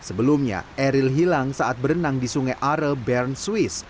sebelumnya eril hilang saat berenang di sungai are bern swiss